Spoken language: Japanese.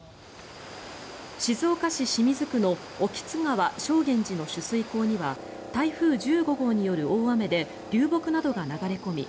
静岡市清水区の興津川・承元寺の取水口には台風１５号による大雨で流木などが流れ込み